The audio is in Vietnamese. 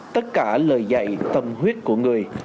tất cả lời dạy tâm huyết của người